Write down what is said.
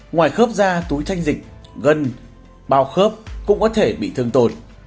ngoài khớp da túi thanh dịch gân bao khớp cũng có thể bị thương tột